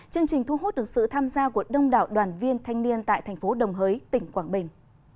chương trình thu hút được sự tham gia của đông đảo đoàn viên thanh niên tại thành phố đồng hới tỉnh quảng bình